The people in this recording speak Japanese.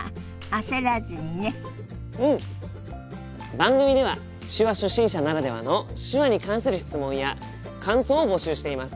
番組では手話初心者ならではの手話に関する質問や感想を募集しています。